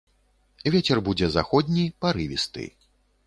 Вецер будзе заходні, парывісты.